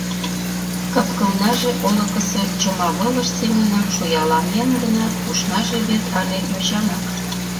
Капкылнаже олыкысо чомавылыш семынак шуяланен гынат, ушнаже вет але йочамак.